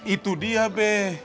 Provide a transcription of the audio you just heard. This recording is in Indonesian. itu dia be